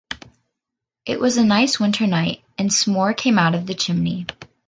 It was a nice winter night and smore came out of the chimney.